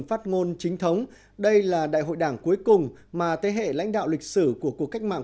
phát ngôn chính thống đây là đại hội đảng cuối cùng mà thế hệ lãnh đạo lịch sử của cuộc cách mạng